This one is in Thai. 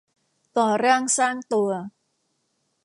ก่อร่างสร้างตัว